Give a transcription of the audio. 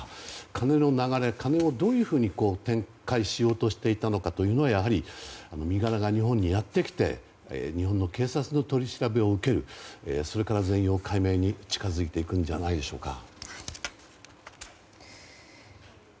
金の流れ、金をどういうふうに展開しようとしていたのかというのは、やはり身柄が日本にやってきて日本の警察の取り調べを受けるそれから全容解明に近づいていくのではないでしょうか。